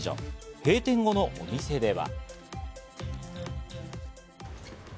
閉店後のお店では。